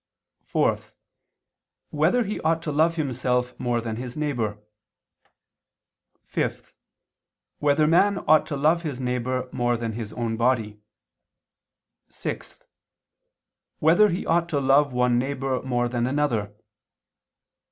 (4) Whether he ought to love himself more than his neighbor? (5) Whether man ought to love his neighbor more than his own body? (6) Whether he ought to love one neighbor more than another?